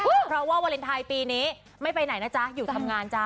เพราะว่าวาเลนไทยปีนี้ไม่ไปไหนนะจ๊ะอยู่ทำงานจ้ะ